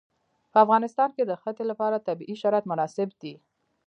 په افغانستان کې د ښتې لپاره طبیعي شرایط مناسب دي.